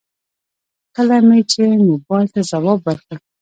کله مې چې موبايل ته ځواب وکړ.